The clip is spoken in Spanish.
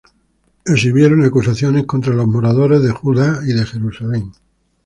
escribieron acusaciones contra los moradores de Judá y de Jerusalem.